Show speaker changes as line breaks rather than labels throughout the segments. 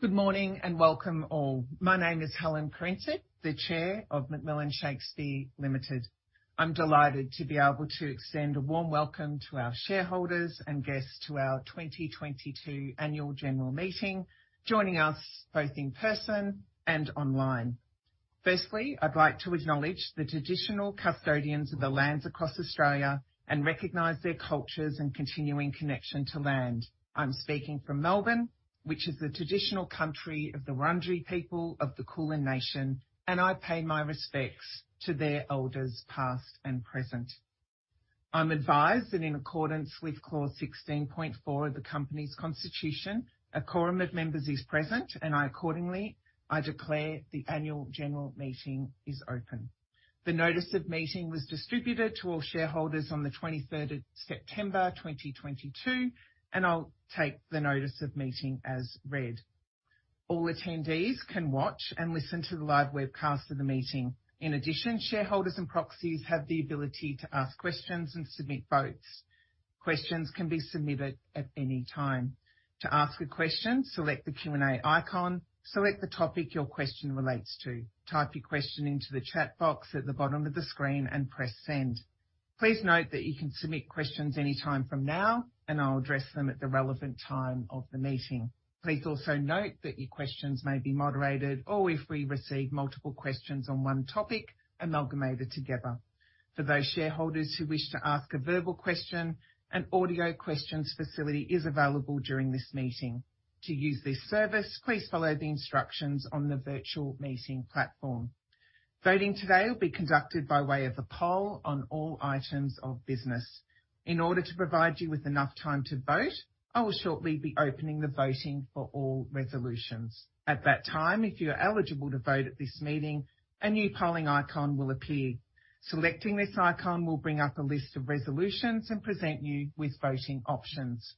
Good morning, and welcome all. My name is Helen Kurincic, the Chair of McMillan Shakespeare Limited. I'm delighted to be able to extend a warm welcome to our shareholders and guests to our 2022 annual general meeting, joining us both in person and online. Firstly, I'd like to acknowledge the traditional custodians of the lands across Australia and recognize their cultures and continuing connection to land. I'm speaking from Melbourne, which is the traditional country of the Wurundjeri people of the Kulin Nation, and I pay my respects to their elders past and present. I'm advised that in accordance with Clause 16.4 of the company's constitution, a quorum of members is present, and I accordingly declare the annual general meeting is open. The notice of meeting was distributed to all shareholders on the 23rd of September, 2022, and I'll take the notice of meeting as read. All attendees can watch and listen to the live webcast of the meeting. In addition, shareholders and proxies have the ability to ask questions and submit votes. Questions can be submitted at any time. To ask a question, select the Q&A icon, select the topic your question relates to, type your question into the chat box at the bottom of the screen, and press Send. Please note that you can submit questions any time from now, and I'll address them at the relevant time of the meeting. Please also note that your questions may be moderated or if we receive multiple questions on one topic, amalgamated together. For those shareholders who wish to ask a verbal question, an audio questions facility is available during this meeting. To use this service, please follow the instructions on the virtual meeting platform. Voting today will be conducted by way of a poll on all items of business. In order to provide you with enough time to vote, I will shortly be opening the voting for all resolutions. At that time, if you are eligible to vote at this meeting, a new polling icon will appear. Selecting this icon will bring up a list of resolutions and present you with voting options.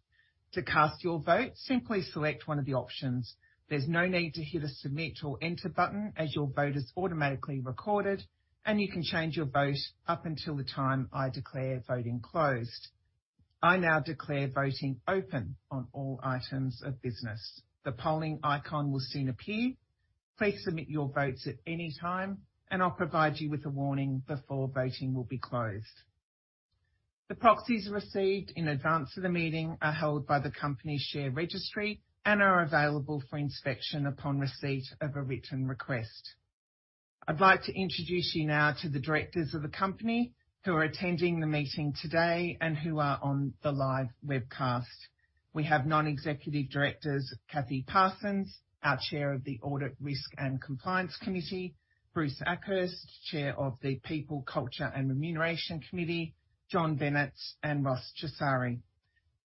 To cast your vote, simply select one of the options. There's no need to hit a submit or enter button, as your vote is automatically recorded, and you can change your vote up until the time I declare voting closed. I now declare voting open on all items of business. The polling icon will soon appear. Please submit your votes at any time, and I'll provide you with a warning before voting will be closed. The proxies received in advance of the meeting are held by the company share registry and are available for inspection upon receipt of a written request. I'd like to introduce you now to the directors of the company who are attending the meeting today and who are on the live webcast. We have non-executive directors, Kathy Parsons, our chair of the Audit, Risk and Compliance Committee. Bruce Akhurst, chair of the People, Culture and Remuneration Committee. John Bennetts and Ross Chessari.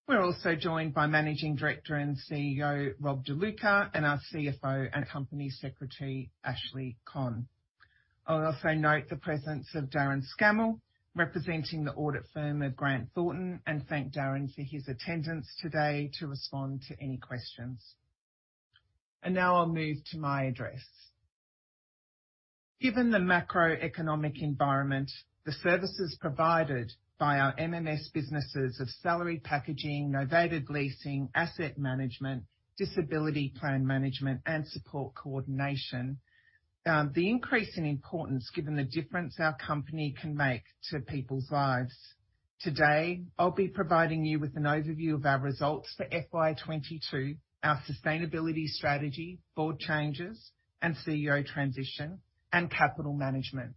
We're also joined by Managing Director and CEO, Rob De Luca, and our CFO and Company Secretary, Ashley Conn. I'll also note the presence of Darren Scammell, representing the audit firm of Grant Thornton, and thank Darren for his attendance today to respond to any questions. Now I'll move to my address. Given the macroeconomic environment, the services provided by our MMS businesses of salary packaging, novated leasing, asset management, disability plan management, and support coordination, the increase in importance given the difference our company can make to people's lives. Today, I'll be providing you with an overview of our results for FY 2022, our sustainability strategy, board changes and CEO transition, and capital management.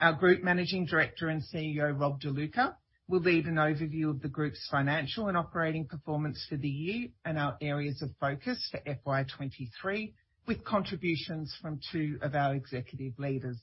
Our Group Managing Director and CEO, Rob De Luca, will lead an overview of the group's financial and operating performance for the year and our areas of focus for FY 2023, with contributions from two of our executive leaders.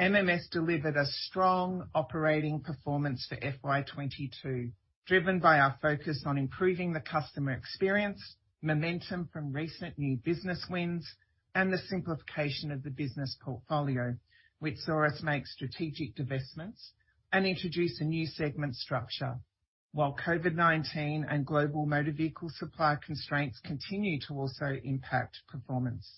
MMS delivered a strong operating performance for FY 2022, driven by our focus on improving the customer experience, momentum from recent new business wins, and the simplification of the business portfolio, which saw us make strategic divestments and introduce a new segment structure. While COVID-19 and global motor vehicle supply constraints continue to also impact performance.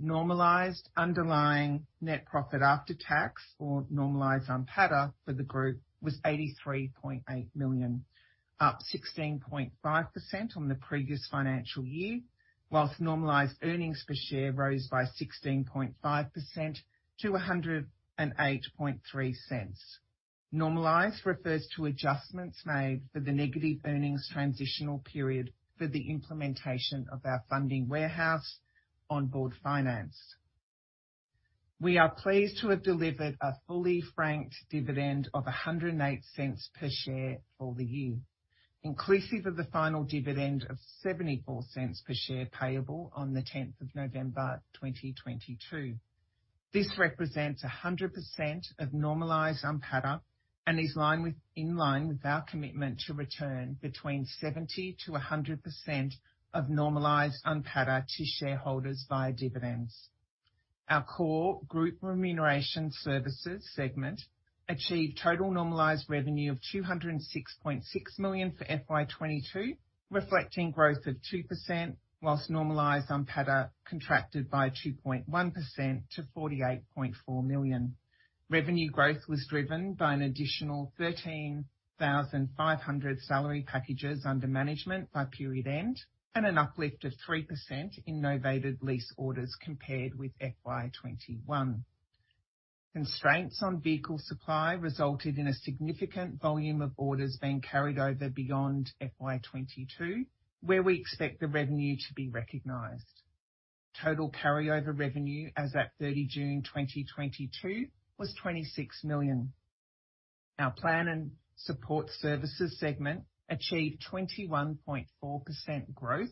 Normalized underlying net profit after tax or normalized NPATA for the group was 83.8 million, up 16.5% on the previous financial year, while normalized earnings per share rose by 16.5% to 1.083 Normalized refers to adjustments made for the negative earnings transitional period for the implementation of our funding warehouse, Onboard Finance. We are pleased to have delivered a fully franked dividend of 1.08 per share for the year, inclusive of the final dividend of 0.74 per share payable on the tenth of November, 2022. This represents 100% of normalized NPATA and is in line with our commitment to return between 70%-100% of normalized NPATA to shareholders via dividends. Our core group remuneration services segment achieved total normalized revenue of 206.6 million for FY22, reflecting growth of 2%, while normalized NPATA contracted by 2.1% to 48.4 million. Revenue growth was driven by an additional 13,500 salary packages under management by period end and an uplift of 3% in novated lease orders compared with FY21. Constraints on vehicle supply resulted in a significant volume of orders being carried over beyond FY22, where we expect the revenue to be recognized. Total carryover revenue as at 30 June 2022 was 26 million. Our plan and support services segment achieved 21.4% growth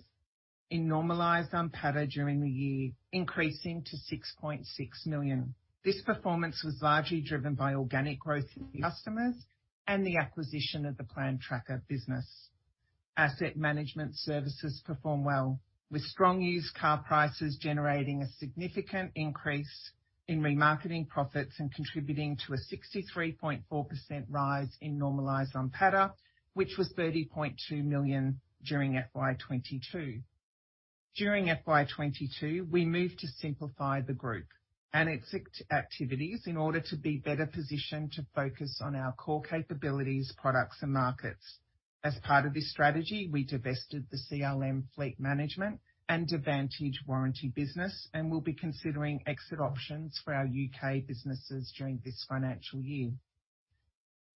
in normalized NPATA during the year, increasing to 6.6 million. This performance was largely driven by organic growth in customers and the acquisition of the Plan Tracker business. Asset management services perform well, with strong used car prices generating a significant increase in remarketing profits and contributing to a 63.4% rise in normalized NPATA, which was 30.2 million during FY22. During FY22, we moved to simplify the group and its exit activities in order to be better positioned to focus on our core capabilities, products, and markets. As part of this strategy, we divested the CLM Fleet Management and Davantage warranty business and will be considering exit options for our UK businesses during this financial year.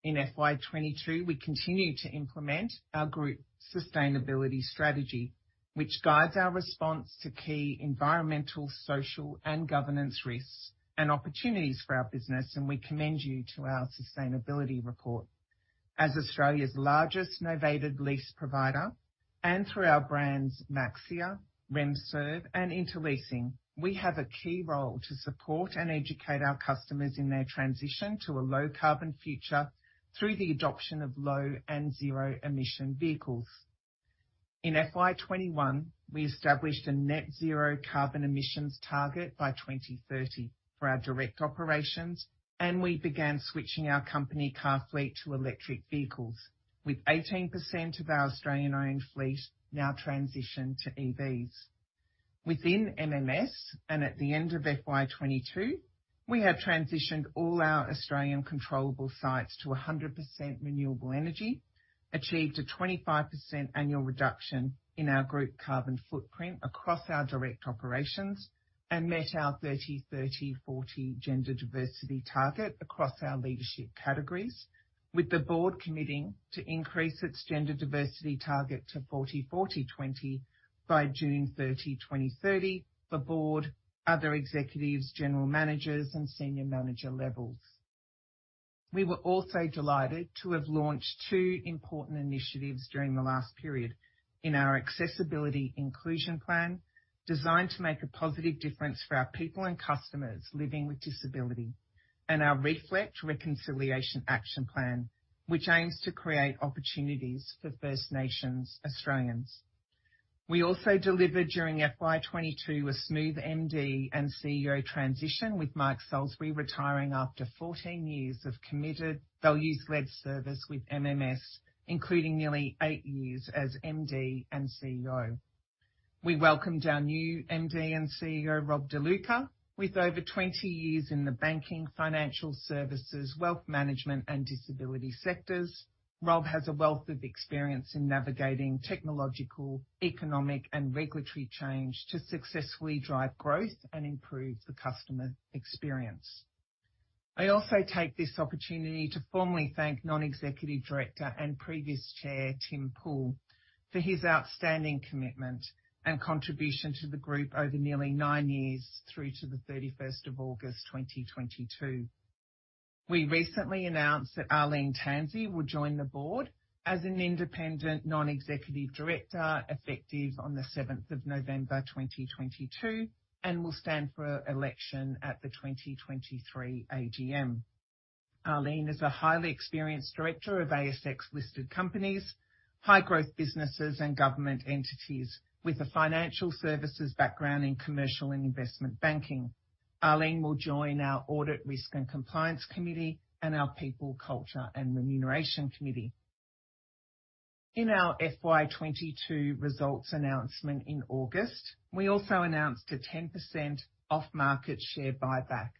In FY22, we continued to implement our group sustainability strategy, which guides our response to key environmental, social, and governance risks and opportunities for our business, and we commend you to our sustainability report. As Australia's largest novated lease provider and through our brands Maxxia, RemServ, and Interleasing, we have a key role to support and educate our customers in their transition to a low carbon future through the adoption of low and zero-emission vehicles. In FY21, we established a net zero carbon emissions target by 2030 for our direct operations, and we began switching our company car fleet to electric vehicles. With 18% of our Australian-owned fleet now transitioned to EVs. Within MMS, at the end of FY22, we have transitioned all our Australian controllable sites to 100% renewable energy, achieved a 25% annual reduction in our group carbon footprint across our direct operations and met our 30/30/40 gender diversity target across our leadership categories. With the board committing to increase its gender diversity target to 40/40/20 by June 30, 2030. The board, other executives, general managers, and senior manager levels. We were also delighted to have launched two important initiatives during the last period in our accessibility inclusion plan, designed to make a positive difference for our people and customers living with disability. Our Reflect Reconciliation Action Plan, which aims to create opportunities for First Nations Australians. We also delivered during FY22 a smooth MD and CEO transition, with Mike Salisbury retiring after 14 years of committed values-led service with MMS, including nearly eight years as MD and CEO. We welcomed our new MD and CEO, Rob De Luca. With over 20 years in the banking, financial services, wealth management, and disability sectors, Rob has a wealth of experience in navigating technological, economic, and regulatory change to successfully drive growth and improve the customer experience. I also take this opportunity to formally thank Non-Executive Director and previous Chair, Tim Poole, for his outstanding commitment and contribution to the group over nearly nine years through to the 31st of August 2022. We recently announced that Arlene Tansey will join the board as an Independent Non-Executive Director, effective on the 7th of November 2022, and will stand for election at the 2023 AGM. Arlene is a highly experienced director of ASX listed companies, high-growth businesses, and government entities with a financial services background in commercial and investment banking. Arlene will join our Audit, Risk and Compliance Committee and our People, Culture and Remuneration Committee. In our FY22 results announcement in August, we also announced a 10% off-market share buyback.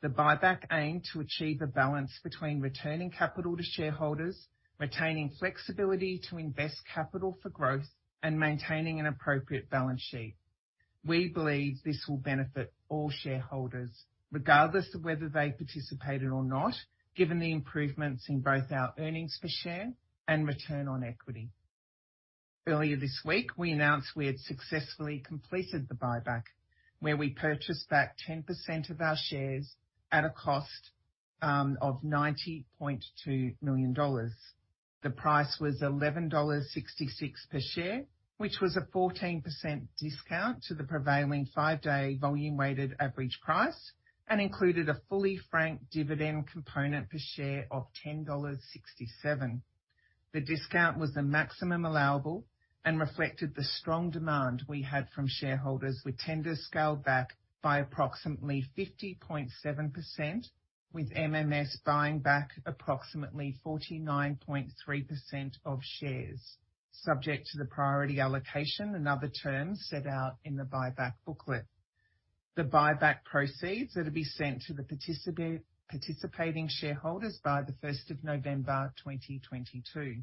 The buyback aimed to achieve a balance between returning capital to shareholders, retaining flexibility to invest capital for growth, and maintaining an appropriate balance sheet. We believe this will benefit all shareholders, regardless of whether they participated or not, given the improvements in both our earnings per share and return on equity. Earlier this week, we announced we had successfully completed the buyback, where we purchased back 10% of our shares at a cost of 90.2 million dollars. The price was 11.66 dollars per share, which was a 14% discount to the prevailing five-day volume-weighted average price and included a fully franked dividend component per share of 10.67 dollars. The discount was the maximum allowable and reflected the strong demand we had from shareholders, with tenders scaled back by approximately 50.7%, with MMS buying back approximately 49.3% of shares, subject to the priority allocation and other terms set out in the buyback booklet. The buyback proceeds are to be sent to the participating shareholders by the first of November 2022.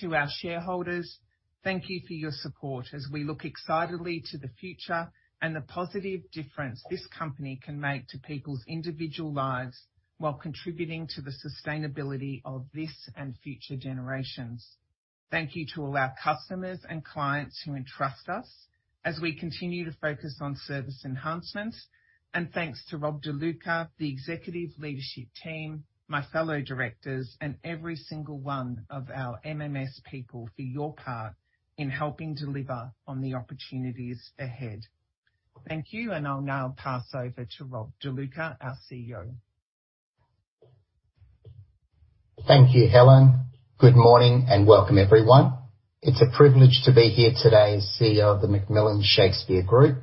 To our shareholders, thank you for your support as we look excitedly to the future and the positive difference this company can make to people's individual lives while contributing to the sustainability of this and future generations. Thank you to all our customers and clients who entrust us as we continue to focus on service enhancement. Thanks to Rob De Luca, the executive leadership team, my fellow directors, and every single one of our MMS people for your part in helping deliver on the opportunities ahead. Thank you, and I'll now pass over to Rob De Luca, our CEO.
Thank you, Helen. Good morning and welcome, everyone. It's a privilege to be here today as CEO of the McMillan Shakespeare Group.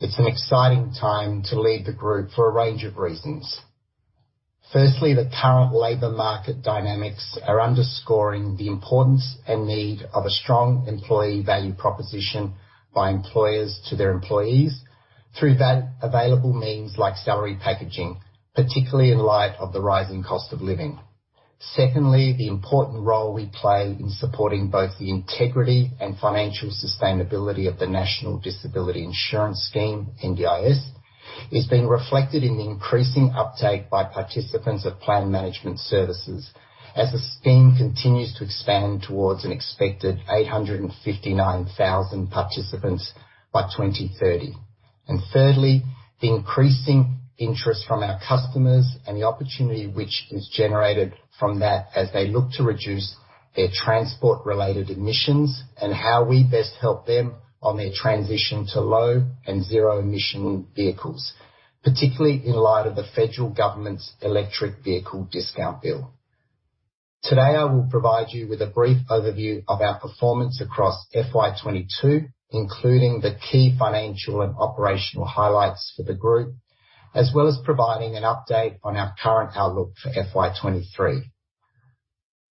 It's an exciting time to lead the Group for a range of reasons. Firstly, the current labor market dynamics are underscoring the importance and need of a strong employee value proposition by employers to their employees through valuable means like salary packaging, particularly in light of the rising cost of living. Secondly, the important role we play in supporting both the integrity and financial sustainability of the National Disability Insurance Scheme, NDIS, is being reflected in the increasing uptake by participants of plan management services as the scheme continues to expand towards an expected 859,000 participants by 2030. Thirdly, the increasing interest from our customers and the opportunity which is generated from that as they look to reduce their transport-related emissions and how we best help them on their transition to low and zero emission vehicles, particularly in light of the federal government's electric vehicle discount bill. Today, I will provide you with a brief overview of our performance across FY 2022, including the key financial and operational highlights for the Group, as well as providing an update on our current outlook for FY 2023.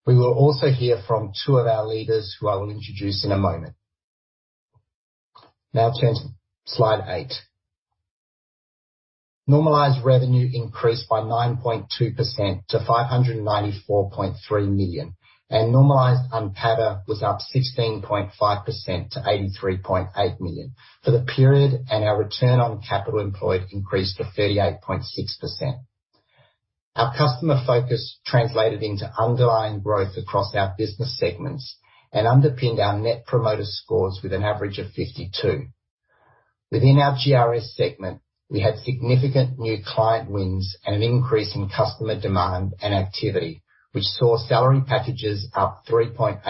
We will also hear from two of our leaders, who I will introduce in a moment. Now turn to slide eight. Normalized revenue increased by 9.2% to 594.3 million, and normalized NPATA was up 16.5% to 83.8 million for the period, and our return on capital employed increased to 38.6%. Our customer focus translated into underlying growth across our business segments and underpinned our net promoter scores with an average of 52. Within our GRS segment, we had significant new client wins and an increase in customer demand and activity, which saw salary packages up 3.8%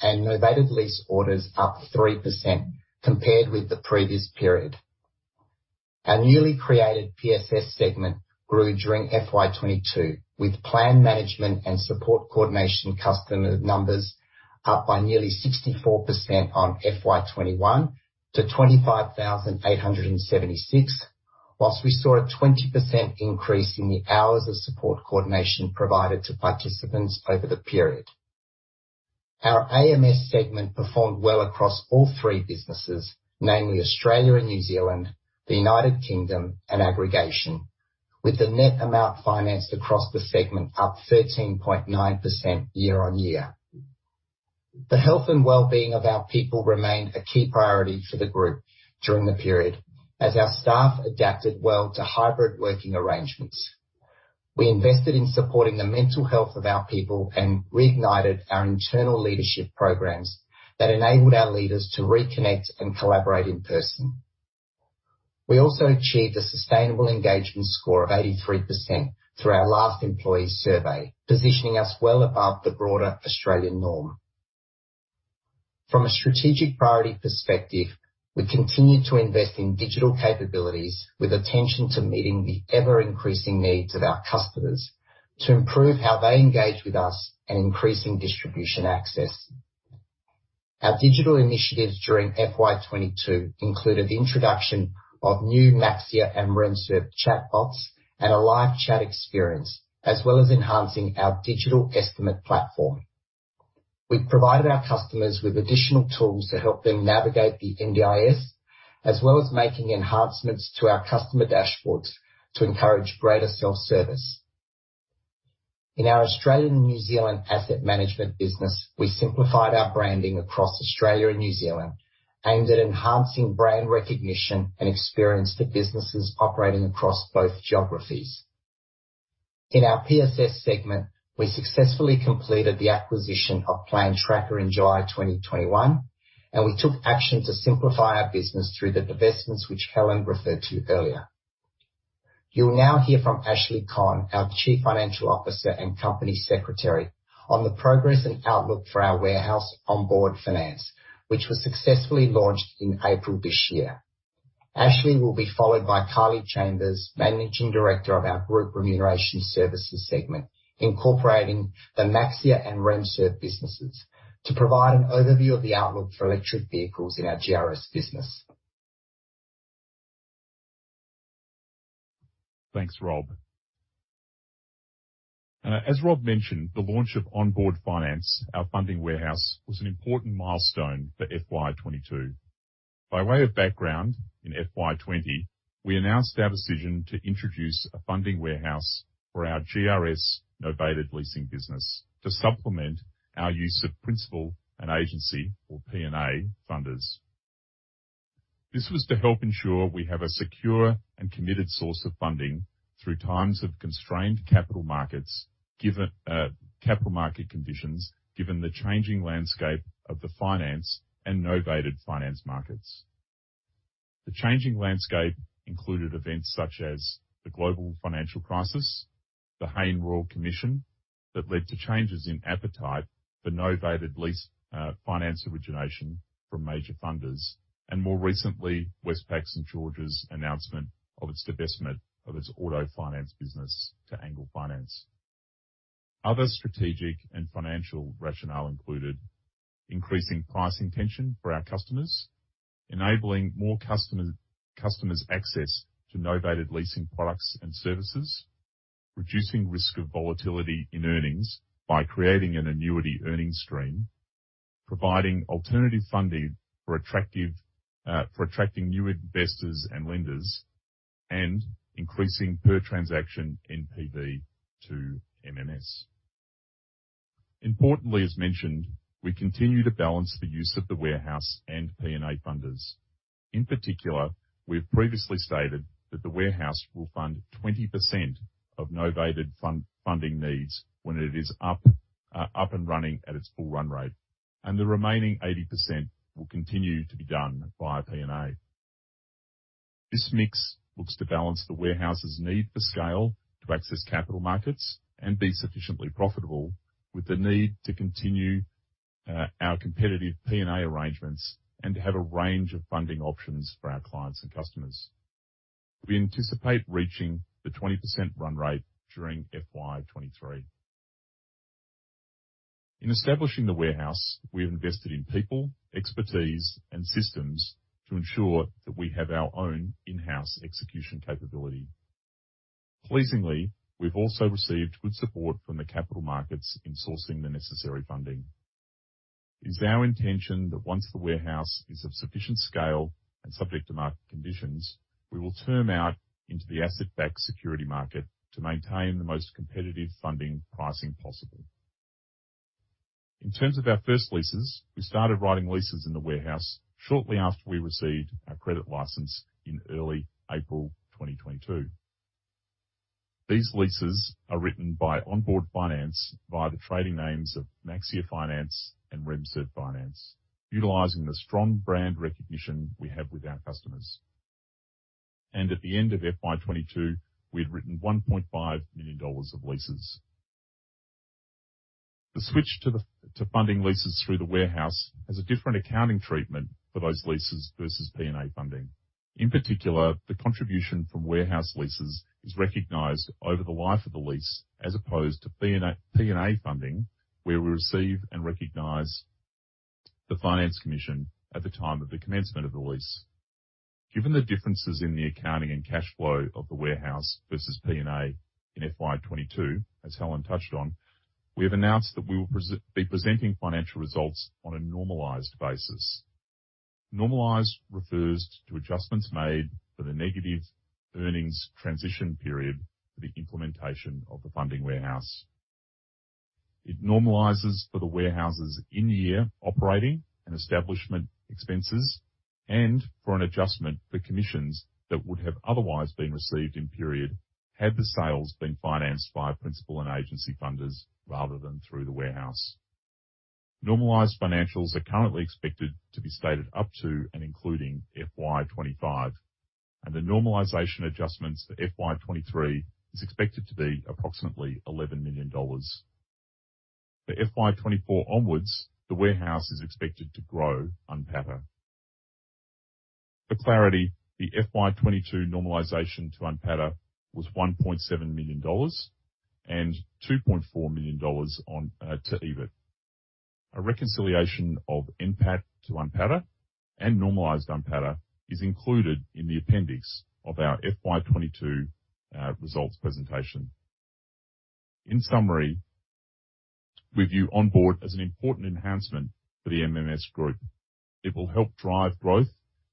and novated lease orders up 3% compared with the previous period. Our newly created PSS segment grew during FY 2022, with plan management and support coordination customer numbers up by nearly 64% on FY 2021 to 25,876, while we saw a 20% increase in the hours of support coordination provided to participants over the period. Our AMS segment performed well across all three businesses, namely Australia and New Zealand, the United Kingdom, and aggregation, with the net amount financed across the segment up 13.9% year-on-year. The health and well-being of our people remained a key priority for the Group during the period as our staff adapted well to hybrid working arrangements. We invested in supporting the mental health of our people and reignited our internal leadership programs that enabled our leaders to reconnect and collaborate in person. We also achieved a sustainable engagement score of 83% through our last employee survey, positioning us well above the broader Australian norm. From a strategic priority perspective, we continued to invest in digital capabilities with attention to meeting the ever-increasing needs of our customers to improve how they engage with us and increasing distribution access. Our digital initiatives during FY 2022 included introduction of new Maxxia and RemServ chatbots and a live chat experience, as well as enhancing our digital estimate platform. We provided our customers with additional tools to help them navigate the NDIS, as well as making enhancements to our customer dashboards to encourage greater self-service. In our Australian and New Zealand asset management business, we simplified our branding across Australia and New Zealand, aimed at enhancing brand recognition and experience for businesses operating across both geographies. In our PSS segment, we successfully completed the acquisition of Plan Tracker in July 2021, and we took action to simplify our business through the divestments which Helen referred to earlier. You'll now hear from Ashley Conn, our Chief Financial Officer and Company Secretary, on the progress and outlook for our warehouse, Onboard Finance, which was successfully launched in April this year. Ashley will be followed by Kylie Chambers, Managing Director of our Group Remuneration Services segment, incorporating the Maxxia and RemServ businesses, to provide an overview of the outlook for electric vehicles in our GRS business.
Thanks, Rob. As Rob mentioned, the launch of Onboard Finance, our funding warehouse, was an important milestone for FY 2022. By way of background, in FY 2020, we announced our decision to introduce a funding warehouse for our GRS novated leasing business to supplement our use of principal and agency, or PNA, funders. This was to help ensure we have a secure and committed source of funding through times of constrained capital markets given capital market conditions, given the changing landscape of the finance and novated finance markets. The changing landscape included events such as the global financial crisis, the Hayne Royal Commission that led to changes in appetite for novated lease finance origination from major funders, and more recently, Westpac St. George's announcement of its divestment of its auto finance business to Angle Finance. Other strategic and financial rationale included increasing pricing tension for our customers, enabling more customers access to novated leasing products and services, reducing risk of volatility in earnings by creating an annuity earnings stream, providing alternative funding for attracting new investors and lenders, and increasing per transaction NPV to MMS. Importantly, as mentioned, we continue to balance the use of the warehouse and PNA funders. In particular, we have previously stated that the warehouse will fund 20% of novated funding needs when it is up and running at its full run rate, and the remaining 80% will continue to be done via PNA. This mix looks to balance the warehouse's need for scale to access capital markets and be sufficiently profitable with the need to continue our competitive PNA arrangements and to have a range of funding options for our clients and customers. We anticipate reaching the 20% run rate during FY 2023. In establishing the warehouse, we have invested in people, expertise, and systems to ensure that we have our own in-house execution capability. Pleasingly, we've also received good support from the capital markets in sourcing the necessary funding. It is our intention that once the warehouse is of sufficient scale and subject to market conditions, we will term out into the asset-backed security market to maintain the most competitive funding pricing possible. In terms of our first leases, we started writing leases in the warehouse shortly after we received our credit license in early April 2022. These leases are written by Onboard Finance via the trading names of Maxxia Finance and RemServ Finance, utilizing the strong brand recognition we have with our customers. At the end of FY 2022, we had written AUD 1.5 million of leases. The switch to funding leases through the warehouse has a different accounting treatment for those leases versus PNA funding. In particular, the contribution from warehouse leases is recognized over the life of the lease, as opposed to PNA funding, where we receive and recognize the finance commission at the time of the commencement of the lease. Given the differences in the accounting and cash flow of the warehouse versus PNA in FY 2022, as Helen touched on, we have announced that we will be presenting financial results on a normalized basis. Normalized refers to adjustments made for the negative earnings transition period for the implementation of the funding warehouse. It normalizes for the warehouse's in-year operating and establishment expenses and for an adjustment for commissions that would have otherwise been received in period had the sales been financed by principal and agency funders rather than through the warehouse. Normalized financials are currently expected to be stated up to and including FY 2025, and the normalization adjustments for FY 2023 is expected to be approximately 11 million dollars. For FY 2024 onwards, the warehouse is expected to grow UNPATA. For clarity, the FY 2022 normalization to UNPATA was 1.7 million dollars and 2.4 million dollars on to EBIT. A reconciliation of NPAT to UNPATA and normalized UNPATA is included in the appendix of our FY 2022 results presentation. In summary, we view Onboard as an important enhancement for the MMS group. It will help drive growth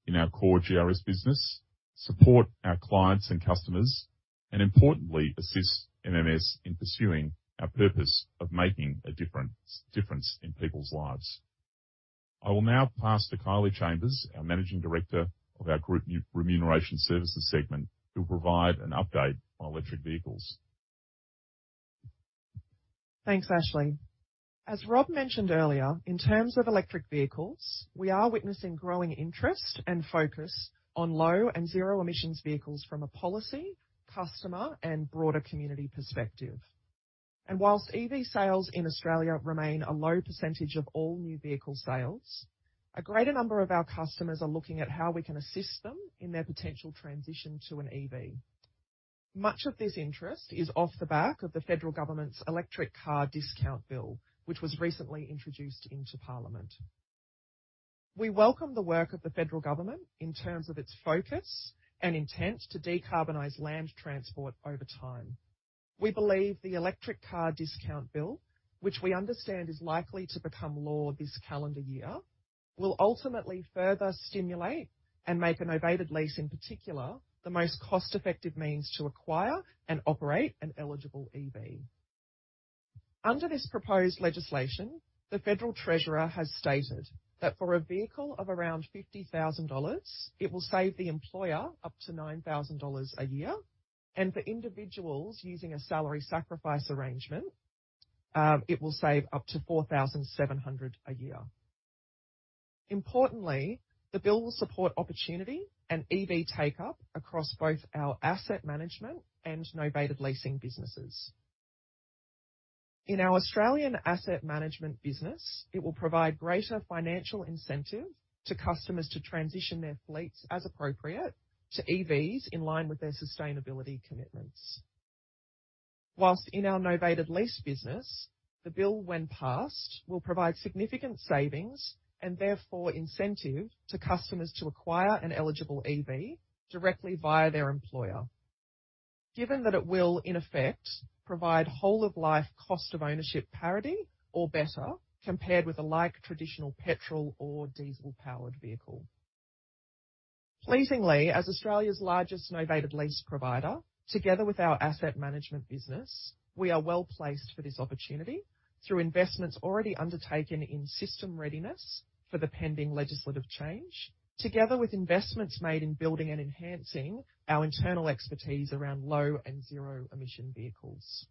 in our core GRS business, support our clients and customers, and importantly, assist MMS in pursuing our purpose of making a difference in people's lives. I will now pass to Kylie Chambers, our Managing Director of our Group Remuneration Services segment, who'll provide an update on electric vehicles.
Thanks, Ashley. As Rob mentioned earlier, in terms of electric vehicles, we are witnessing growing interest and focus on low and zero emissions vehicles from a policy, customer, and broader community perspective. While EV sales in Australia remain a low percentage of all new vehicle sales, a greater number of our customers are looking at how we can assist them in their potential transition to an EV. Much of this interest is off the back of the federal government's Electric Car Discount Bill, which was recently introduced into Parliament. We welcome the work of the federal government in terms of its focus and intent to decarbonize land transport over time. We believe the Electric Car Discount Bill, which we understand is likely to become law this calendar year, will ultimately further stimulate and make a novated lease, in particular, the most cost-effective means to acquire and operate an eligible EV. Under this proposed legislation, the federal treasurer has stated that for a vehicle of around 50,000 dollars, it will save the employer up to 9,000 dollars a year. For individuals using a salary sacrifice arrangement, it will save up to 4,700 a year. Importantly, the bill will support opportunity and EV take-up across both our asset management and novated leasing businesses. In our Australian asset management business, it will provide greater financial incentive to customers to transition their fleets as appropriate to EVs in line with their sustainability commitments. While in our novated lease business, the bill, when passed, will provide significant savings and therefore incentive to customers to acquire an eligible EV directly via their employer. Given that it will, in effect, provide whole of life cost of ownership parity or better, compared with a like traditional petrol or diesel-powered vehicle. Pleasingly, as Australia's largest novated lease provider, together with our asset management business, we are well-placed for this opportunity through investments already undertaken in system readiness for the pending legislative change, together with investments made in building and enhancing our internal expertise around low and zero-emission vehicles.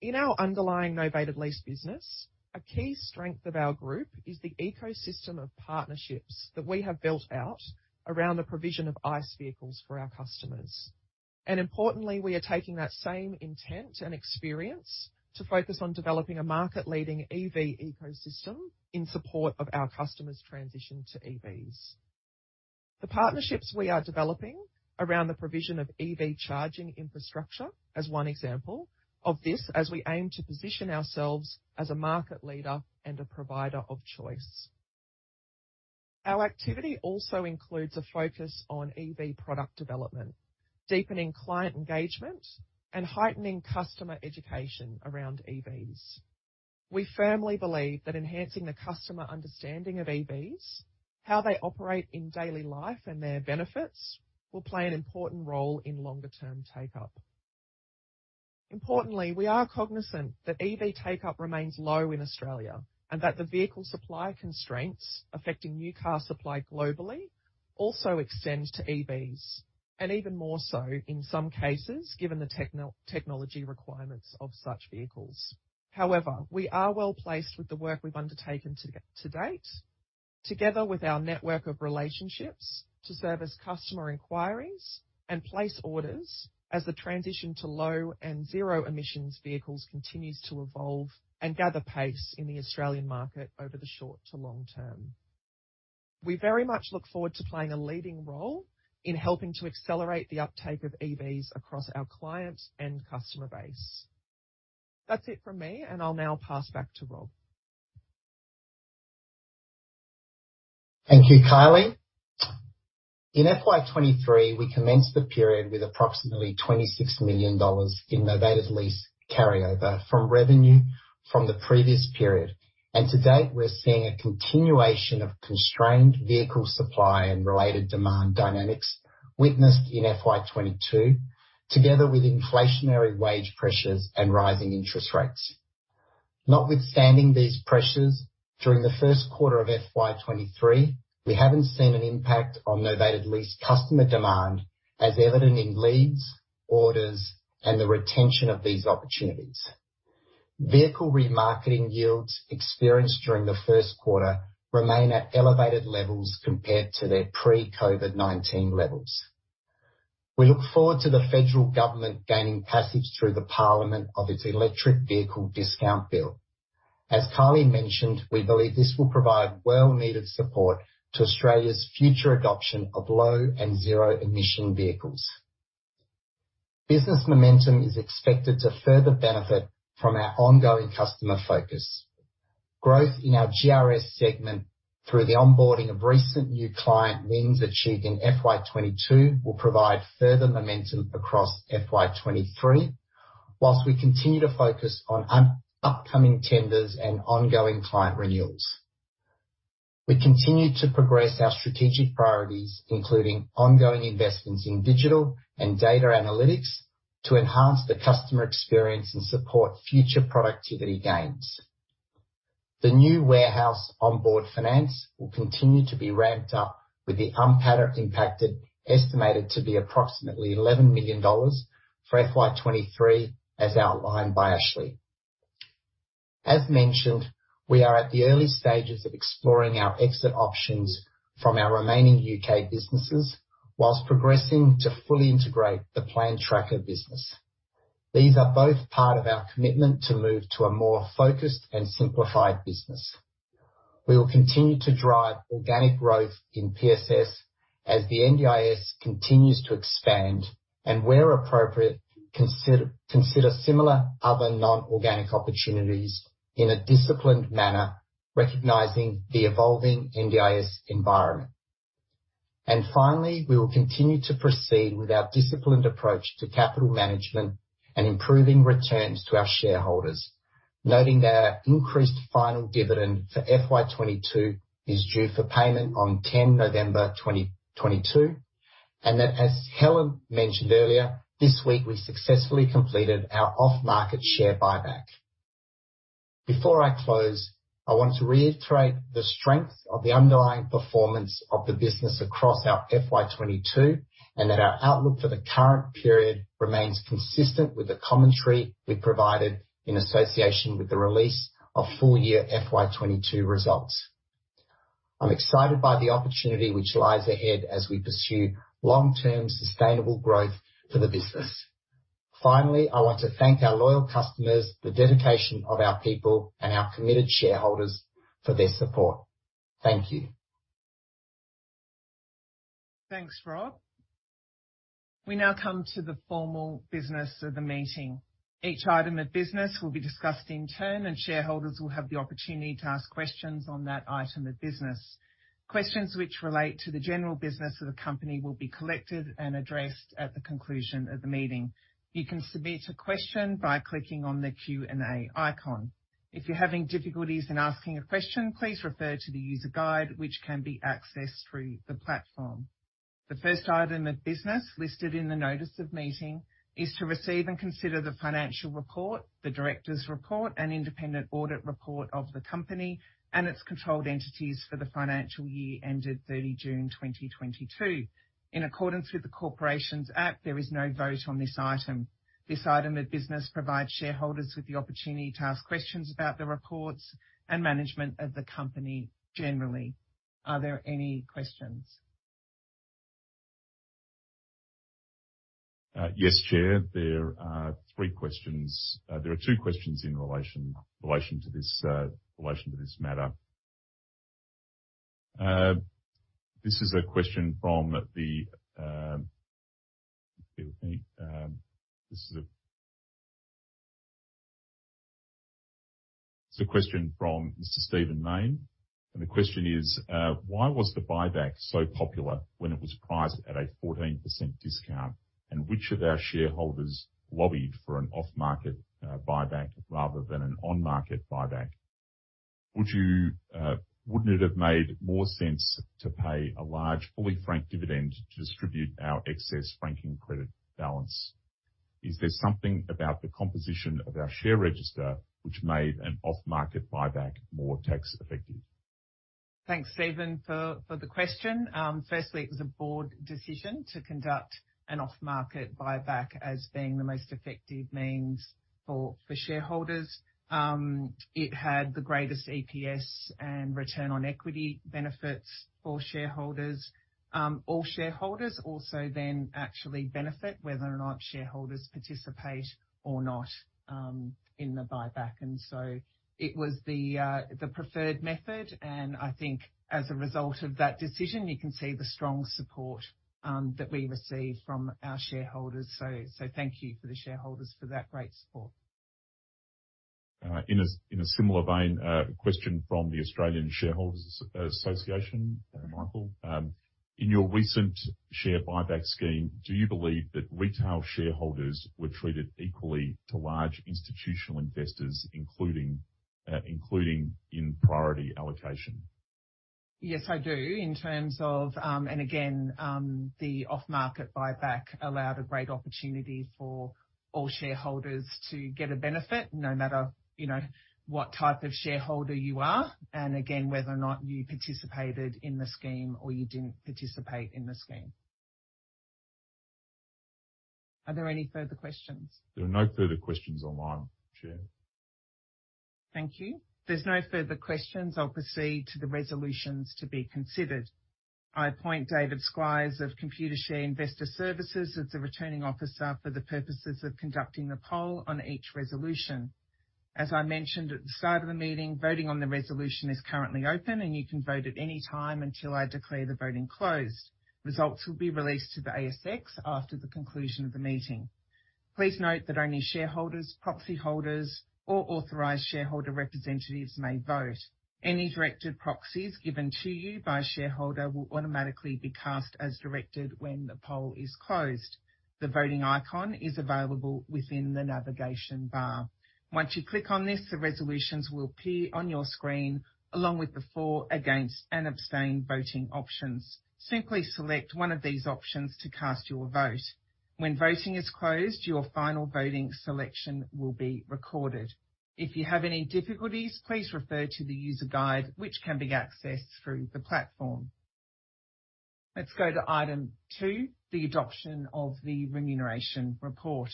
In our underlying novated lease business, a key strength of our group is the ecosystem of partnerships that we have built out around the provision of ICE vehicles for our customers. Importantly, we are taking that same intent and experience to focus on developing a market-leading EV ecosystem in support of our customers' transition to EVs. The partnerships we are developing around the provision of EV charging infrastructure as one example of this as we aim to position ourselves as a market leader and a provider of choice. Our activity also includes a focus on EV product development, deepening client engagement, and heightening customer education around EVs. We firmly believe that enhancing the customer understanding of EVs, how they operate in daily life, and their benefits will play an important role in longer term take-up. Importantly, we are cognizant that EV take-up remains low in Australia, and that the vehicle supply constraints affecting new car supply globally also extend to EVs, and even more so in some cases, given the technology requirements of such vehicles. However, we are well-placed with the work we've undertaken to date, together with our network of relationships, to service customer inquiries and place orders as the transition to low and zero-emissions vehicles continues to evolve and gather pace in the Australian market over the short to long term. We very much look forward to playing a leading role in helping to accelerate the uptake of EVs across our clients and customer base. That's it from me, and I'll now pass back to Rob.
Thank you, Kylie. In FY 2023, we commenced the period with approximately 26 million dollars in novated lease carryover from revenue from the previous period. To date, we're seeing a continuation of constrained vehicle supply and related demand dynamics witnessed in FY 2022, together with inflationary wage pressures and rising interest rates. Notwithstanding these pressures, during the first quarter of FY 2023, we haven't seen an impact on novated lease customer demand, as evident in leads, orders, and the retention of these opportunities. Vehicle remarketing yields experienced during the first quarter remain at elevated levels compared to their pre-COVID-19 levels. We look forward to the federal government gaining passage through the Parliament of its electric vehicle discount bill. As Kylie mentioned, we believe this will provide much-needed support to Australia's future adoption of low and zero-emission vehicles. Business momentum is expected to further benefit from our ongoing customer focus. Growth in our GRS segment through the onboarding of recent new client wins achieved in FY 2022 will provide further momentum across FY 2023, while we continue to focus on upcoming tenders and ongoing client renewals. We continue to progress our strategic priorities, including ongoing investments in digital and data analytics, to enhance the customer experience and support future productivity gains. The new Onboard Finance will continue to be ramped up with the NPAT impact estimated to be approximately 11 million dollars for FY 2023, as outlined by Ashley. As mentioned, we are at the early stages of exploring our exit options from our remaining UK businesses while progressing to fully integrate the Plan Tracker business. These are both part of our commitment to move to a more focused and simplified business. We will continue to drive organic growth in PSS as the NDIS continues to expand, and where appropriate, consider similar other non-organic opportunities in a disciplined manner, recognizing the evolving NDIS environment. Finally, we will continue to proceed with our disciplined approach to capital management and improving returns to our shareholders. Noting their increased final dividend for FY 22 is due for payment on 10 November 2022, and that, as Helen mentioned earlier, this week, we successfully completed our off-market share buyback. Before I close, I want to reiterate the strength of the underlying performance of the business across our FY 22, and that our outlook for the current period remains consistent with the commentary we provided in association with the release of full year FY 22 results. I'm excited by the opportunity which lies ahead as we pursue long-term sustainable growth for the business. Finally, I want to thank our loyal customers, the dedication of our people, and our committed shareholders for their support. Thank you.
Thanks, Rob. We now come to the formal business of the meeting. Each item of business will be discussed in turn, and shareholders will have the opportunity to ask questions on that item of business. Questions which relate to the general business of the company will be collected and addressed at the conclusion of the meeting. You can submit a question by clicking on the Q&A icon. If you're having difficulties in asking a question, please refer to the user guide, which can be accessed through the platform. The first item of business listed in the notice of meeting is to receive and consider the financial report, the directors' report, and independent auditor's report of the company and its controlled entities for the financial year ended 30 June 2022. In accordance with the Corporations Act, there is no vote on this item. This item of business provides shareholders with the opportunity to ask questions about the reports and management of the company generally. Are there any questions?
Yes, Chair. There are three questions. There are two questions in relation to this matter. This is a question from Mr. Stephen Mayne, and the question is, "Why was the buyback so popular when it was priced at a 14% discount? And which of our shareholders lobbied for an off-market buyback rather than an on-market buyback? Wouldn't it have made more sense to pay a large fully franked dividend to distribute our excess franking credit balance? Is there something about the composition of our share register which made an off-market buyback more tax effective?
Thanks, Stephen, for the question. Firstly, it was a board decision to conduct an off-market buyback as being the most effective means for shareholders. It had the greatest EPS and return on equity benefits for shareholders. All shareholders also then actually benefit whether or not shareholders participate or not in the buyback. It was the preferred method. I think as a result of that decision, you can see the strong support that we received from our shareholders. Thank you for the shareholders for that great support.
In a similar vein, a question from the Australian Shareholders' Association, Michael. In your recent share buyback scheme, do you believe that retail shareholders were treated equally to large institutional investors, including in priority allocation?
Yes, I do. The off-market buyback allowed a great opportunity for all shareholders to get a benefit, no matter, you know, what type of shareholder you are, and again, whether or not you participated in the scheme or you didn't participate in the scheme. Are there any further questions?
There are no further questions online, Chair.
Thank you. If there's no further questions, I'll proceed to the resolutions to be considered. I appoint David Squires of Computershare Investor Services as the Returning Officer for the purposes of conducting the poll on each resolution. As I mentioned at the start of the meeting, voting on the resolution is currently open, and you can vote at any time until I declare the voting closed. Results will be released to the ASX after the conclusion of the meeting. Please note that only shareholders, proxy holders or authorized shareholder representatives may vote. Any directed proxies given to you by a shareholder will automatically be cast as directed when the poll is closed. The voting icon is available within the navigation bar. Once you click on this, the resolutions will appear on your screen, along with the for, against, and abstain voting options. Simply select one of these options to cast your vote. When voting is closed, your final voting selection will be recorded. If you have any difficulties, please refer to the user guide, which can be accessed through the platform. Let's go to item two, the adoption of the remuneration report.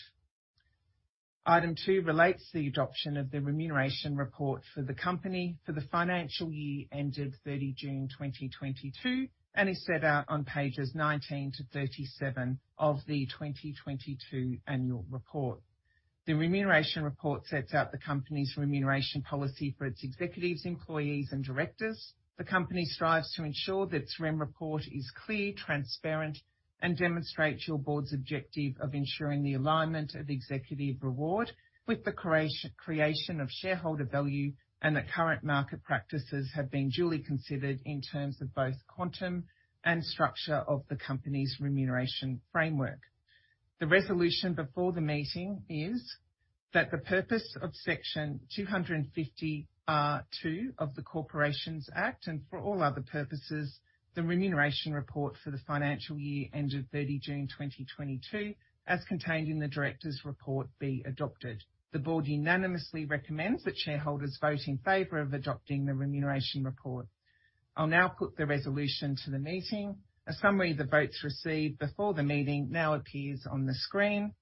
Item two relates to the adoption of the remuneration report for the company for the financial year ended 30 June 2022, and is set out on pages 19 to 37 of the 2022 annual report. The remuneration report sets out the company's remuneration policy for its executives, employees, and directors. The company strives to ensure that its remuneration report is clear, transparent, and demonstrates your board's objective of ensuring the alignment of executive reward with the creation of shareholder value, and that current market practices have been duly considered in terms of both quantum and structure of the company's remuneration framework. The resolution before the meeting is that the purpose of Section 250R of the Corporations Act, and for all other purposes, the remuneration report for the financial year ended 30 June 2022, as contained in the director's report, be adopted. The board unanimously recommends that shareholders vote in favor of adopting the remuneration report. I'll now put the resolution to the meeting. A summary of the votes received before the meeting now appears on the screen.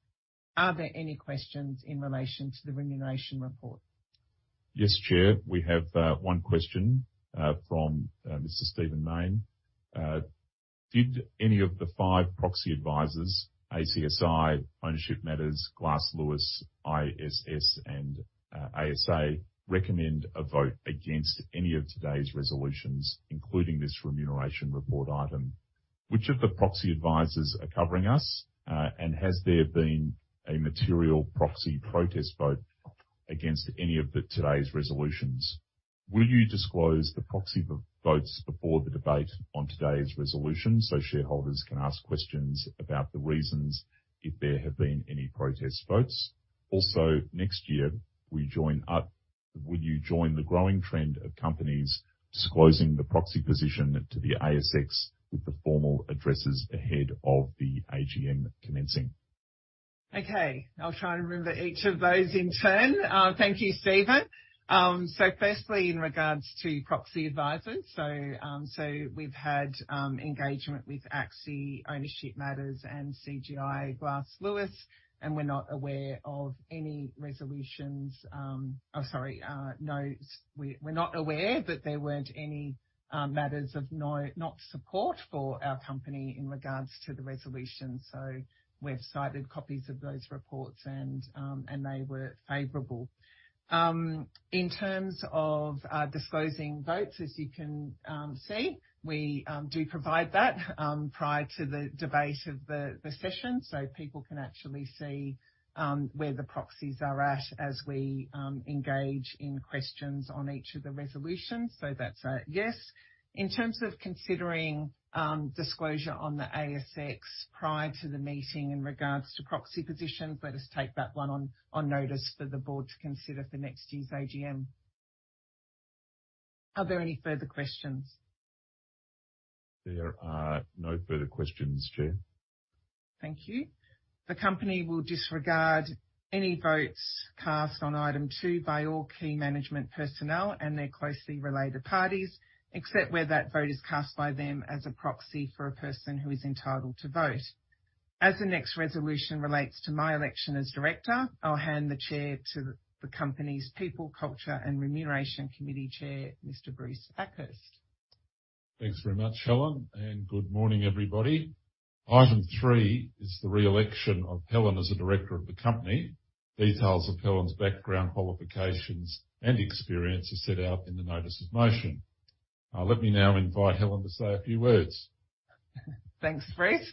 Are there any questions in relation to the remuneration report?
Yes, Chair. We have one question from Mr. Stephen Mayne. Did any of the five proxy advisors, ACSI, Ownership Matters, Glass Lewis, ISS, and ASA, recommend a vote against any of today's resolutions, including this remuneration report item? Which of the proxy advisors are covering us? And has there been a material proxy protest vote against any of today's resolutions? Will you disclose the proxy votes before the debate on today's resolution so shareholders can ask questions about the reasons if there have been any protest votes? Also, next year, will you join the growing trend of companies disclosing the proxy position to the ASX with the formal addresses ahead of the AGM commencing?
Okay, I'll try and remember each of those in turn. Thank you, Stephen. Firstly, in regards to proxy advisors. We've had engagement with ACSI, Ownership Matters, and CGI Glass Lewis, and we're not aware that there weren't any matters of no support for our company in regards to the resolution. We've cited copies of those reports and they were favorable. In terms of disclosing votes, as you can see, we do provide that prior to the debate of the session, so people can actually see where the proxies are at as we engage in questions on each of the resolutions. That's a yes. In terms of considering, disclosure on the ASX prior to the meeting in regards to proxy positions, let us take that one on notice for the board to consider for next year's AGM. Are there any further questions?
There are no further questions, Chair.
Thank you. The company will disregard any votes cast on item two by all key management personnel and their closely related parties, except where that vote is cast by them as a proxy for a person who is entitled to vote. As the next resolution relates to my election as director, I'll hand the chair to the company's People, Culture and Remuneration Committee Chair, Mr. Bruce Akhurst.
Thanks very much, Helen, and good morning, everybody. Item three is the re-election of Helen as a director of the company. Details of Helen's background, qualifications and experience are set out in the notice of motion. Let me now invite Helen to say a few words.
Thanks, Bruce.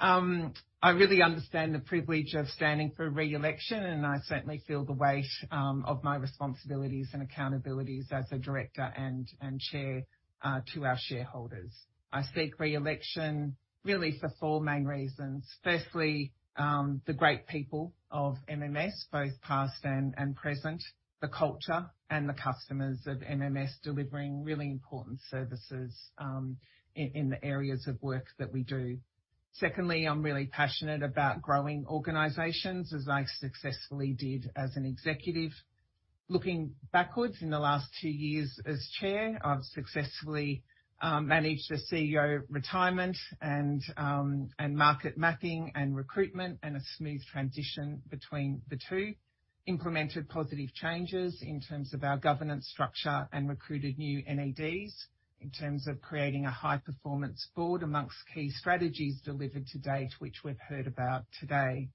I really understand the privilege of standing for re-election, and I certainly feel the weight of my responsibilities and accountabilities as a director and chair to our shareholders. I seek re-election really for four main reasons. Firstly, the great people of MMS, both past and present, the culture and the customers of MMS, delivering really important services in the areas of work that we do. Secondly, I'm really passionate about growing organizations, as I successfully did as an executive. Looking backwards in the last two years as chair, I've successfully managed the CEO retirement and market mapping and recruitment, and a smooth transition between the two. Implemented positive changes in terms of our governance structure and recruited new NEDs in terms of creating a high-performance board amongst key strategies delivered to date, which we've heard about today.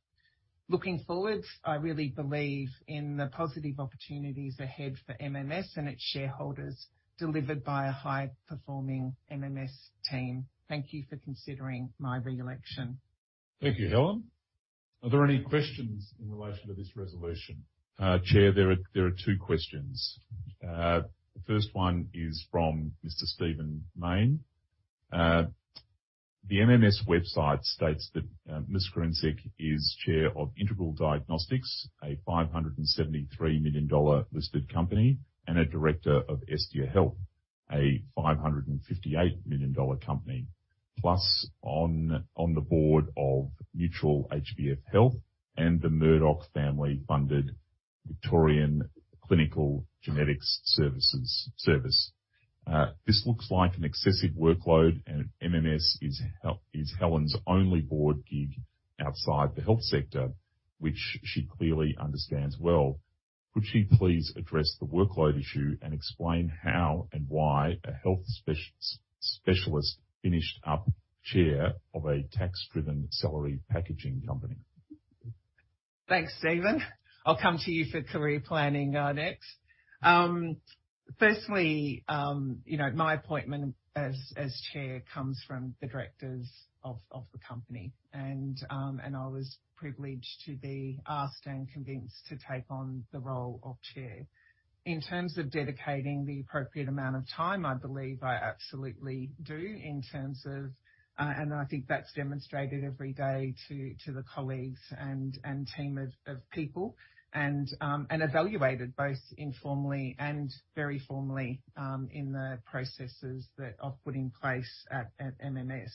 Looking forward, I really believe in the positive opportunities ahead for MMS and its shareholders, delivered by a high-performing MMS team. Thank you for considering my re-election.
Thank you, Helen. Are there any questions in relation to this resolution?
Chair, there are two questions. The first one is from Mr. Stephen Mayne. The MMS website states that Ms. Kurincic is chair of Integral Diagnostics, a 573 million dollar listed company, and a director of Estia Health, a 558 million dollar listed company, plus on the board of HBF Health and the Murdoch family-funded Victorian Clinical Genetics Services. This looks like an excessive workload, and MMS is Helen's only board gig outside the health sector, which she clearly understands well. Could she please address the workload issue and explain how and why a health specialist finished up chair of a tax-driven salary packaging company?
Thanks, Stephen. I'll come to you for career planning next. Firstly, you know, my appointment as chair comes from the directors of the company. I was privileged to be asked and convinced to take on the role of chair. In terms of dedicating the appropriate amount of time, I believe I absolutely do in terms of and I think that's demonstrated every day to the colleagues and team of people, and evaluated both informally and very formally in the processes that are put in place at MMS.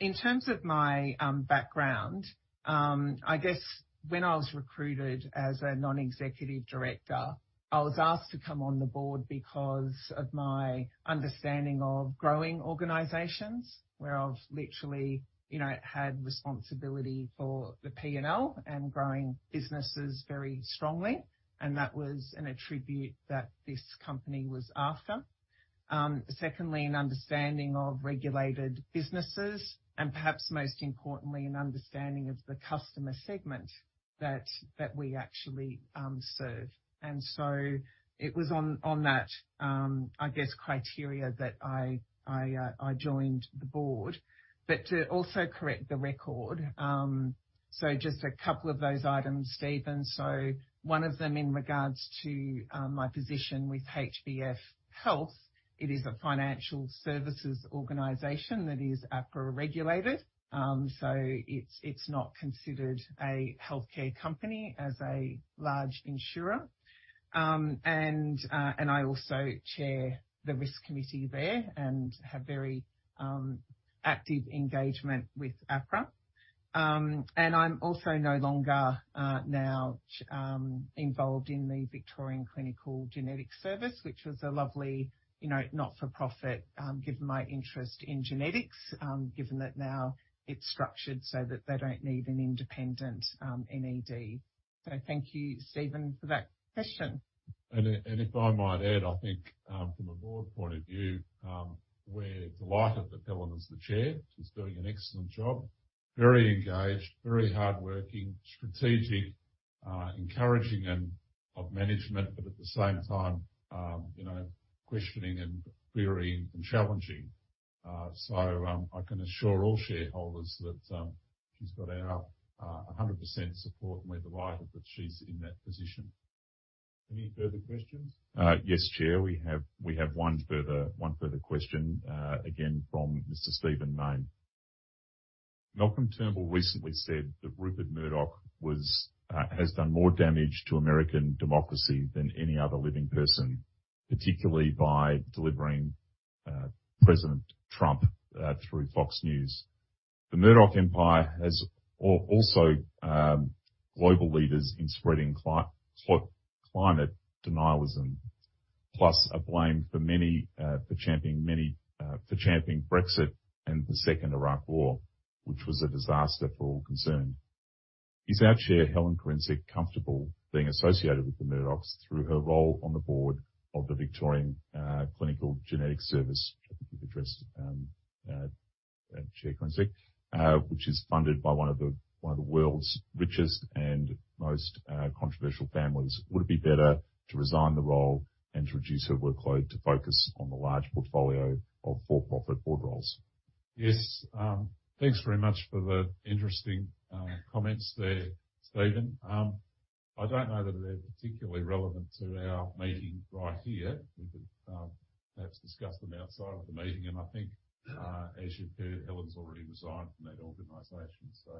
In terms of my background, I guess when I was recruited as a non-executive director, I was asked to come on the board because of my understanding of growing organizations where I've literally, you know, had responsibility for the P&L and growing businesses very strongly, and that was an attribute that this company was after. Secondly, an understanding of regulated businesses and perhaps most importantly, an understanding of the customer segment that we actually serve. It was on that, I guess, criteria that I joined the board. To also correct the record, just a couple of those items, Stephen. One of them in regards to my position with HBF Health, it is a financial services organization that is APRA regulated. It's not considered a healthcare company as a large insurer. I also chair the risk committee there and have very active engagement with APRA. I'm also no longer involved in the Victorian Clinical Genetics Services, which was a lovely, you know, not-for-profit, given my interest in genetics, given that now it's structured so that they don't need an independent NED. Thank you, Stephen, for that question.
If I might add, I think, from a board point of view, we're delighted that Helen is the Chair. She's doing an excellent job, very engaged, very hardworking, strategic, encouraging of management, but at the same time, you know, questioning and querying and challenging. I can assure all shareholders that she's got our 100% support, and we're delighted that she's in that position. Any further questions?
Yes, Chair. We have one further question, again, from Mr. Stephen Mayne. Malcolm Turnbull recently said that Rupert Murdoch has done more damage to American democracy than any other living person, particularly by delivering President Trump through Fox News. The Murdoch empire has also global leaders in spreading climate denialism, plus are blamed for championing Brexit and the Second Iraq War, which was a disaster for all concerned. Is our Chair, Helen Kurincic, comfortable being associated with the Murdochs through her role on the board of the Victorian Clinical Genetics Services? I think you've addressed Chair Kurincic, which is funded by one of the world's richest and most controversial families. Would it be better to resign the role and to reduce her workload to focus on the large portfolio of for-profit board roles?
Yes. Thanks very much for the interesting comments there, Stephen. I don't know that they're particularly relevant to our meeting right here. We could perhaps discuss them outside of the meeting. I think as you've heard, Helen's already resigned from that organization, so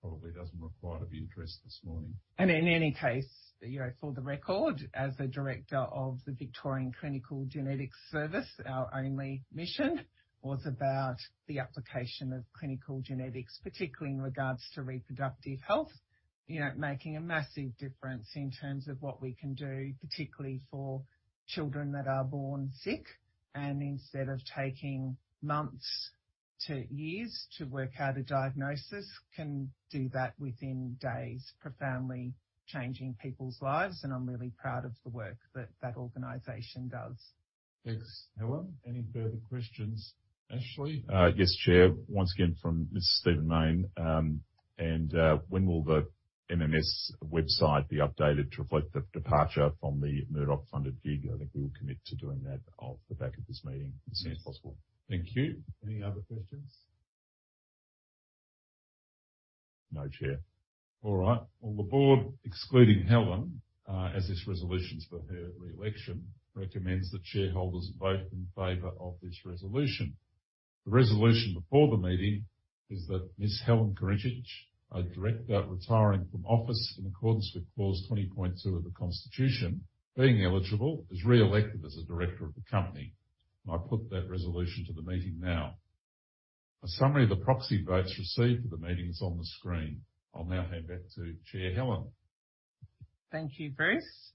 probably doesn't require to be addressed this morning.
In any case, you know, for the record, as a director of the Victorian Clinical Genetics Services, our only mission was about the application of clinical genetics, particularly in regards to reproductive health. You know, making a massive difference in terms of what we can do, particularly for children that are born sick. Instead of taking months to years to work out a diagnosis, can do that within days, profoundly changing people's lives. I'm really proud of the work that that organization does.
Thanks, Helen. Any further questions? Ashley?
Yes, Chair. Once again from Mr. Stephen Mayne. When will the MMS website be updated to reflect the departure from the Murdoch-funded gig? I think we will commit to doing that off the back of this meeting as soon as possible. Thank you.
Any other questions?
No, Chair.
All right. Well, the board, excluding Helen, as this resolution's for her re-election, recommends that shareholders vote in favor of this resolution. The resolution before the meeting is that Miss Helen Kurincic, a director retiring from office in accordance with clause 20.2 of the Constitution, being eligible, is re-elected as a director of the company. I put that resolution to the meeting now. A summary of the proxy votes received at the meeting is on the screen. I'll now hand back to Chair Helen.
Thank you, Bruce.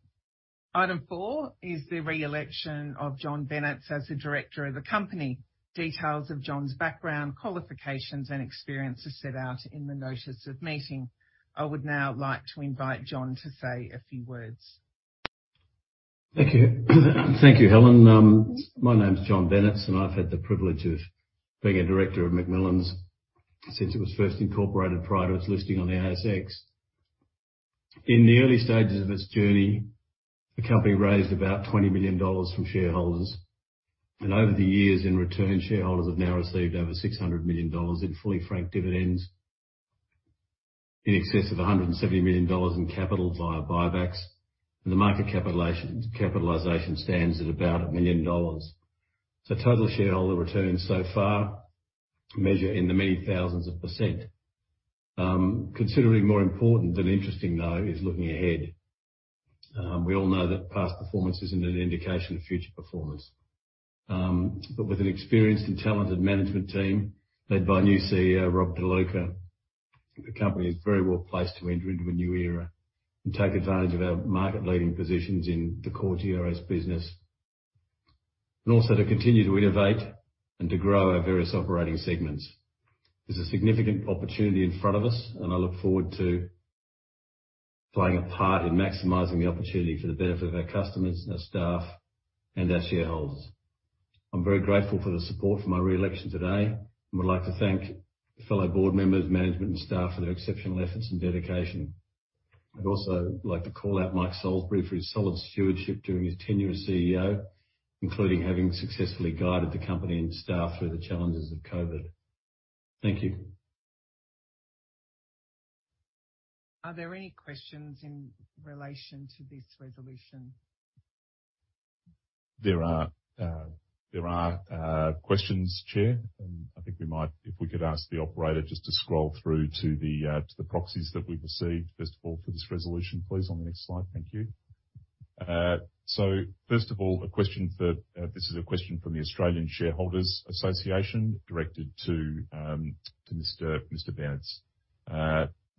Item four is the re-election of John Bennetts as the director of the company. Details of John's background, qualifications and experience are set out in the notice of meeting. I would now like to invite John to say a few words.
Thank you. Thank you, Helen. My name is John Bennetts, and I've had the privilege of being a director of McMillan Shakespeare since it was first incorporated prior to its listing on the ASX. In the early stages of its journey, the company raised about 20 million dollars from shareholders, and over the years in return, shareholders have now received over 600 million dollars in fully franked dividends in excess of 170 million dollars in capital via buybacks. The market capitalization stands at about 1 million dollars. Total shareholder returns so far measure in the many thousands of %. Considering more important and interesting, though, is looking ahead. We all know that past performance isn't an indication of future performance. With an experienced and talented management team led by new CEO Rob De Luca, the company is very well placed to enter into a new era and take advantage of our market-leading positions in the core GRS business, and also to continue to innovate and to grow our various operating segments. There's a significant opportunity in front of us, and I look forward to playing a part in maximizing the opportunity for the benefit of our customers, our staff, and our shareholders. I'm very grateful for the support for my re-election today. I would like to thank fellow board members, management and staff for their exceptional efforts and dedication. I'd also like to call out Mike Salisbury for his solid stewardship during his tenure as CEO, including having successfully guided the company and staff through the challenges of COVID. Thank you.
Are there any questions in relation to this resolution?
There are questions, Chair. I think if we could ask the operator just to scroll through to the proxies that we've received, first of all, for this resolution, please on the next slide. Thank you. First of all, a question that this is a question from the Australian Shareholders' Association directed to Mr. Bennetts.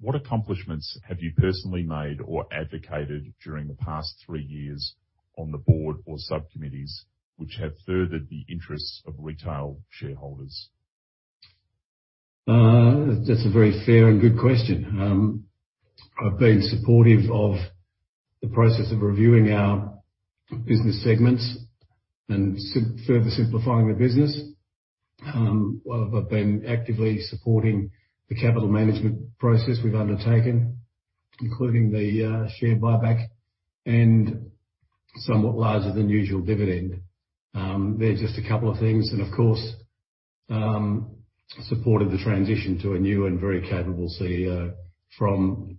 What accomplishments have you personally made or advocated during the past three years on the board or subcommittees which have furthered the interests of retail shareholders?
That's a very fair and good question. I've been supportive of the process of reviewing our business segments and simply further simplifying the business. I've been actively supporting the capital management process we've undertaken, including the share buyback and somewhat larger than usual dividend. They're just a couple of things, and of course, supported the transition to a new and very capable CEO from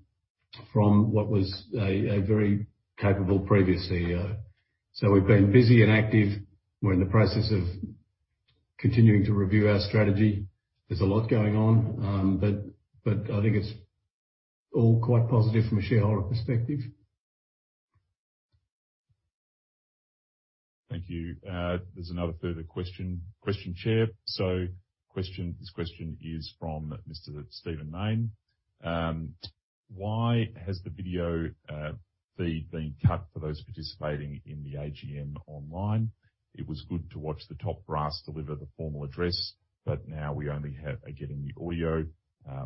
what was a very capable previous CEO. We've been busy and active. We're in the process of continuing to review our strategy. There's a lot going on. I think it's all quite positive from a shareholder perspective.
There's another further question, Chair. This question is from Mr. Stephen Mayne. Why has the video feed been cut for those participating in the AGM online? It was good to watch the top brass deliver the formal address, but now we are getting the audio.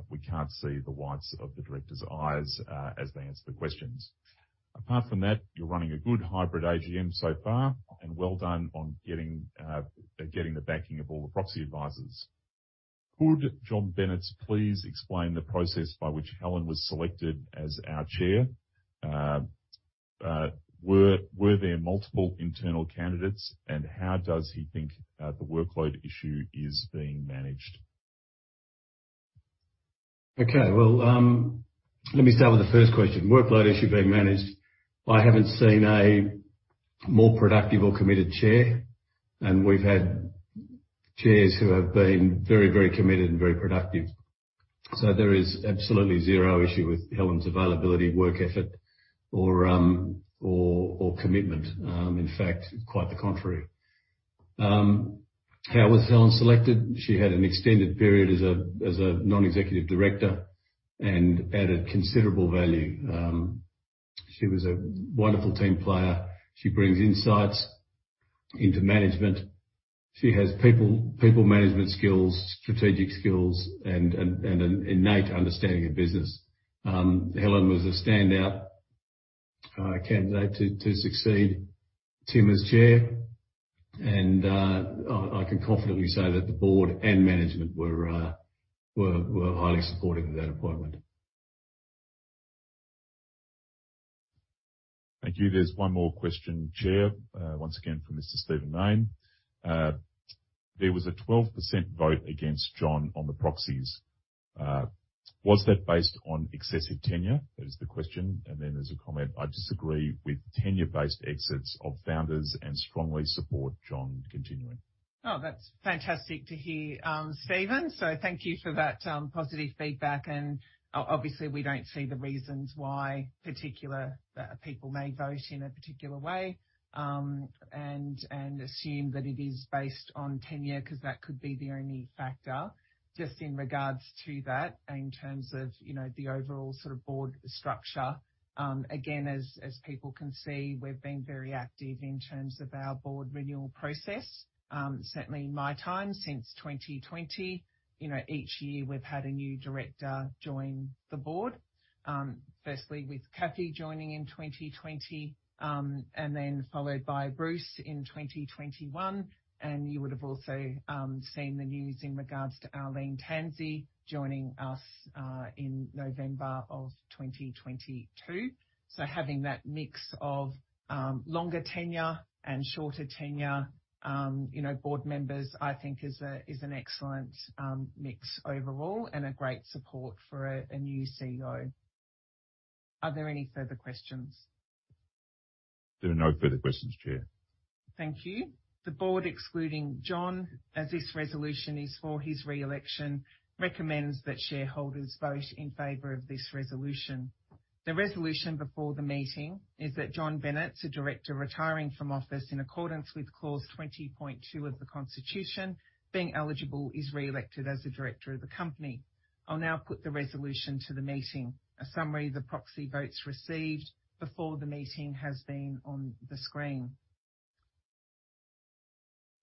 We can't see the whites of the directors' eyes as they answer the questions. Apart from that, you're running a good hybrid AGM so far, and well done on getting the backing of all the proxy advisors. Could John Bennetts please explain the process by which Helen was selected as our chair? Were there multiple internal candidates? How does he think the workload issue is being managed?
Okay. Well, let me start with the first question. Workload issue being managed. I haven't seen a more productive or committed chair, and we've had chairs who have been very committed and very productive. There is absolutely zero issue with Helen's availability, work effort or commitment. In fact, quite the contrary. How was Helen selected? She had an extended period as a non-executive director and added considerable value. She was a wonderful team player. She brings insights into management. She has people management skills, strategic skills, and an innate understanding of business. Helen was a standout candidate to succeed Tim as chair. I can confidently say that the board and management were highly supportive of that appointment.
Thank you. There's one more question, Chair, once again from Mr. Stephen Mayne. There was a 12% vote against John Bennetts on the proxies. Was that based on excessive tenure? That is the question. Then there's a comment. I disagree with tenure-based exits of founders and strongly support John Bennetts continuing.
Oh, that's fantastic to hear, Stephen, so thank you for that positive feedback. Obviously, we don't see the reasons why particular people may vote in a particular way, and assume that it is based on tenure because that could be the only factor. Just in regards to that in terms of, you know, the overall sort of board structure. Again, as people can see, we've been very active in terms of our board renewal process. Certainly in my time since 2020, you know, each year we've had a new director join the board. Firstly with Kathy joining in 2020, and then followed by Bruce in 2021. You would have also seen the news in regards to Arlene Tansey joining us, in November of 2022. Having that mix of longer tenure and shorter tenure, you know, board members, I think is an excellent mix overall and a great support for a new CEO. Are there any further questions?
There are no further questions, Chair.
Thank you. The board, excluding John, as this resolution is for his re-election, recommends that shareholders vote in favor of this resolution. The resolution before the meeting is that John Bennetts, a director retiring from office in accordance with clause 20.2 of the Constitution, being eligible, is re-elected as a director of the company. I'll now put the resolution to the meeting. A summary of the proxy votes received before the meeting has been on the screen.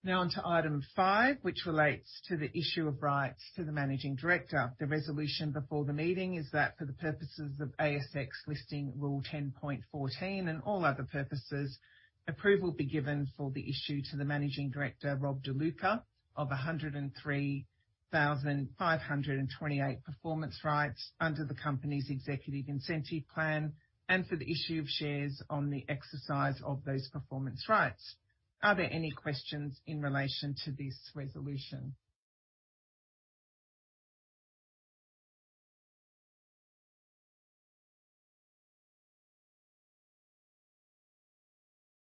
Now on to item five, which relates to the issue of rights to the managing director. The resolution before the meeting is that for the purposes of ASX Listing Rule 10.14 and all other purposes, approval be given for the issue to the Managing Director, Rob De Luca, of 103,528 performance rights under the company's executive incentive plan and for the issue of shares on the exercise of those performance rights. Are there any questions in relation to this resolution?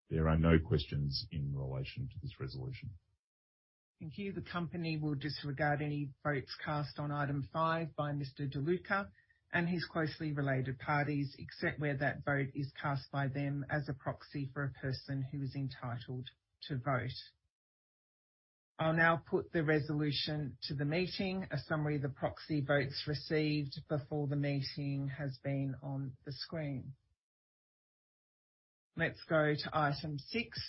There are no questions in relation to this resolution.
Thank you. The company will disregard any votes cast on item five by Mr. De Luca and his closely related parties, except where that vote is cast by them as a proxy for a person who is entitled to vote. I'll now put the resolution to the meeting. A summary of the proxy votes received before the meeting has been on the screen. Let's go to item six,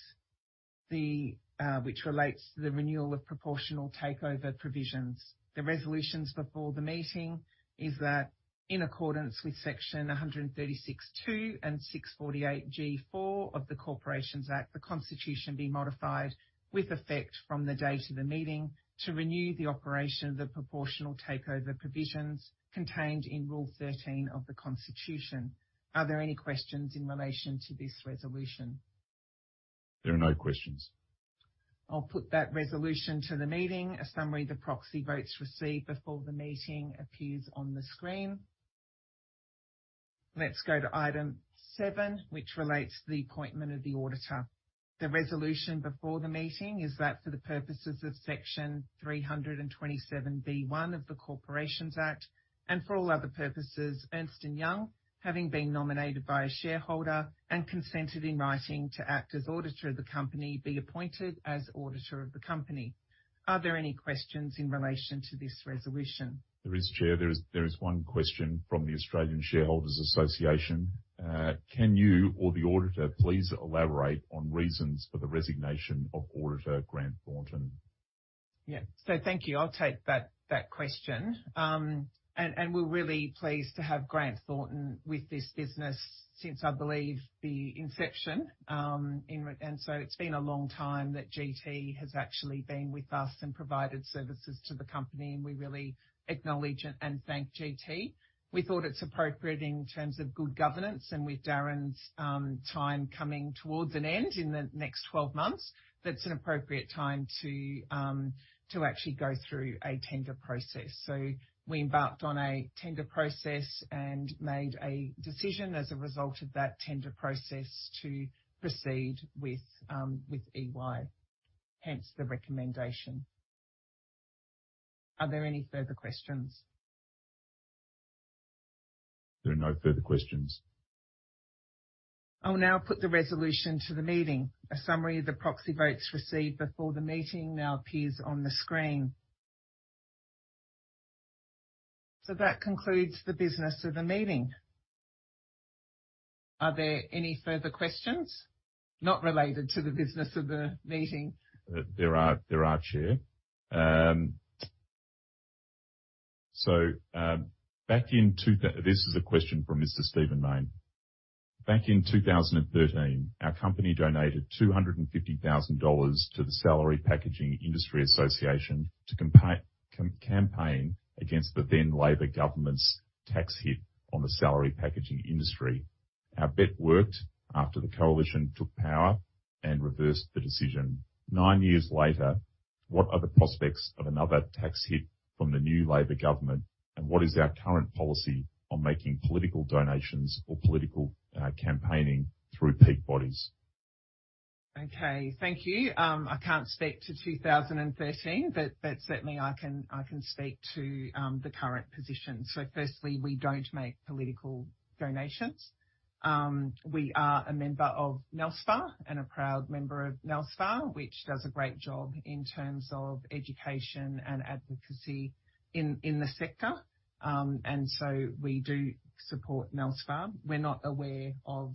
which relates to the renewal of proportional takeover provisions. The resolutions before the meeting is that in accordance with Section 136(2) and 648G(4) of the Corporations Act, the Constitution be modified with effect from the date of the meeting to renew the operation of the proportional takeover provisions contained in Rule 13 of the Constitution. Are there any questions in relation to this resolution?
There are no questions.
I'll put that resolution to the meeting. A summary of the proxy votes received before the meeting appears on the screen. Let's go to item seven, which relates to the appointment of the auditor. The resolution before the meeting is that for the purposes of Section 327B(1) of the Corporations Act, and for all other purposes, Ernst & Young, having been nominated by a shareholder and consented in writing to act as auditor of the company, be appointed as auditor of the company. Are there any questions in relation to this resolution?
There is, Chair. There is one question from the Australian Shareholders' Association. Can you or the auditor please elaborate on reasons for the resignation of auditor Grant Thornton?
Yeah. Thank you. I'll take that question. We're really pleased to have Grant Thornton with this business since, I believe, the inception. It's been a long time that GT has actually been with us and provided services to the company, and we really acknowledge and thank GT. We thought it's appropriate in terms of good governance and with Darren's time coming towards an end in the next 12 months, that's an appropriate time to actually go through a tender process. We embarked on a tender process and made a decision as a result of that tender process to proceed with EY, hence the recommendation. Are there any further questions?
There are no further questions.
I'll now put the resolution to the meeting. A summary of the proxy votes received before the meeting now appears on the screen. That concludes the business of the meeting. Are there any further questions not related to the business of the meeting?
There are, Chair. This is a question from Mr. Stephen Mayne. Back in 2013, our company donated 250,000 dollars to the National Automotive Leasing and Salary Packaging Association to campaign against the then Labor government's tax hit on the salary packaging industry. Our bet worked after the Coalition took power and reversed the decision. Nine years later, what are the prospects of another tax hit from the new Labor government, and what is our current policy on making political donations or political campaigning through peak bodies?
I can't speak to 2013, but certainly I can speak to the current position. Firstly, we don't make political donations. We are a member of NALSPA, and a proud member of NALSPA, which does a great job in terms of education and advocacy in the sector. We do support NALSPA. We're not aware of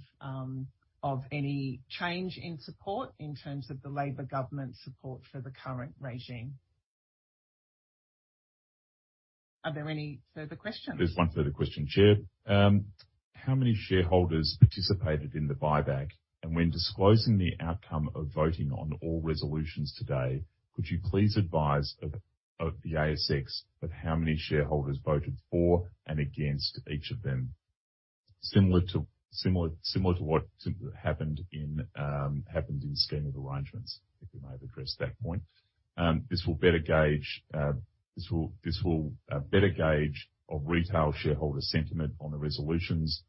any change in support in terms of the Labor government support for the current regime. Are there any further questions?
There's one further question, Chair. How many shareholders participated in the buyback? When disclosing the outcome of voting on all resolutions today, could you please advise the ASX of how many shareholders voted for and against each of them? Similar to what happened in scheme of arrangements, if you may have addressed that point. This will better gauge of retail shareholder sentiment on the resolutions,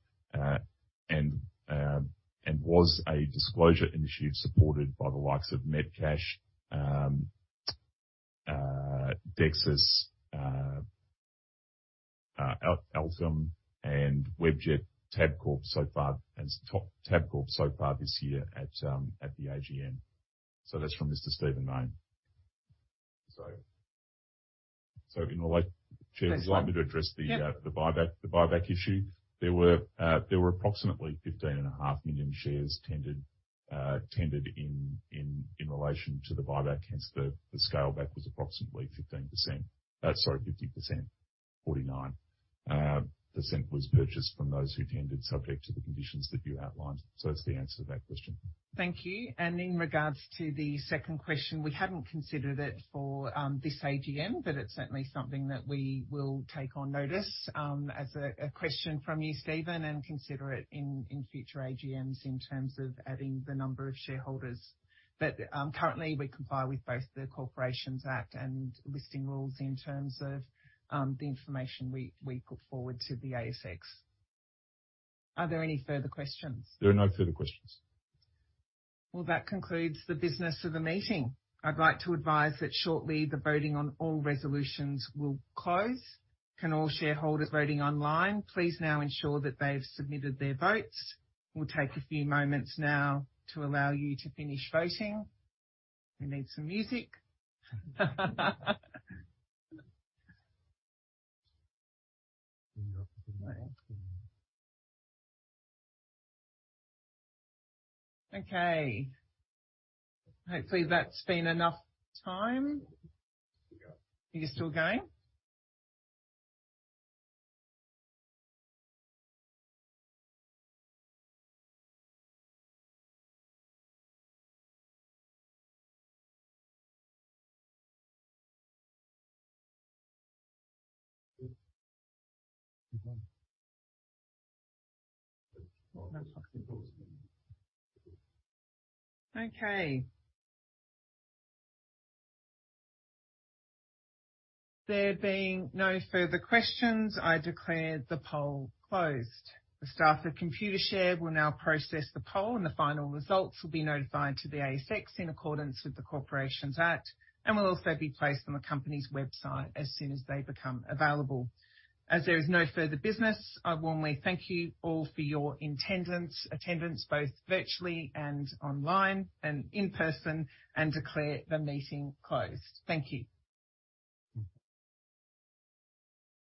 and was a disclosure initiative supported by the likes of Medibank, Dexus, Altium and Webjet, Tabcorp so far this year at the AGM. So that's from Mr. Stephen Mayne. Chair, would you like me to address the buyback issue?
Yeah.
There were approximately 15.5 million shares tendered in relation to the buyback, hence the scale back was approximately 15%. Sorry, 50%. 49% was purchased from those who tendered subject to the conditions that you outlined. That's the answer to that question.
Thank you. In regards to the second question, we hadn't considered it for this AGM, but it's certainly something that we will take on notice as a question from you, Stephen, and consider it in future AGMs in terms of adding the number of shareholders. Currently, we comply with both the Corporations Act and Listing Rules in terms of the information we put forward to the ASX. Are there any further questions?
There are no further questions.
Well, that concludes the business of the meeting. I'd like to advise that shortly, the voting on all resolutions will close. Can all shareholders voting online, please now ensure that they've submitted their votes. We'll take a few moments now to allow you to finish voting. We need some music. Okay. Hopefully, that's been enough time. Are you still going? Okay. There being no further questions, I declare the poll closed. The staff of Computershare will now process the poll, and the final results will be notified to the ASX in accordance with the Corporations Act and will also be placed on the company's website as soon as they become available. As there is no further business, I warmly thank you all for your attendance both virtually and online, and in person, and declare the meeting closed. Thank you.